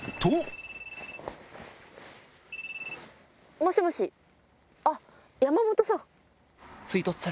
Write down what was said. もしもしあっ山本さん！